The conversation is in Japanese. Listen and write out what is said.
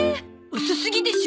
遅すぎでしょ！